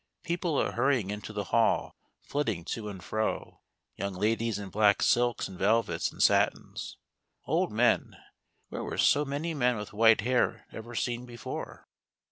People are hurrying into the hall, flitting to and fro ; young ladies in black silks and velvets and satins; old men where were so many men with white hair ever seen before